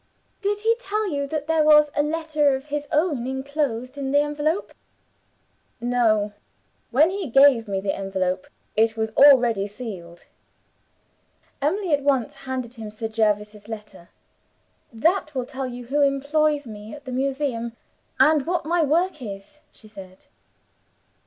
'" "Did he tell you that there was a letter of his own inclosed in the envelope?" "No. When he gave me the envelope it was already sealed." Emily at once handed to him Sir Jervis's letter. "That will tell you who employs me at the Museum, and what my work is," she said.